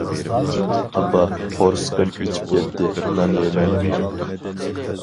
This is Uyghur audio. -ئاپا، قورسىقىم ئېچىپ كەتتى، نان يەيمەن.